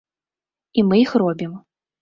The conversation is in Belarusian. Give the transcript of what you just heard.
І мы іх робім.